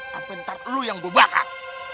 sampe ntar lu yang gue bakar